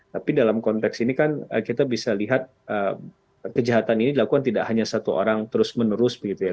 tapi dalam konteks ini kan kita bisa lihat kejahatan ini dilakukan tidak hanya satu orang terus menerus begitu ya